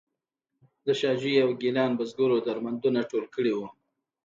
د شاه جوی او ګیلان بزګرو درمندونه ټول کړي وو.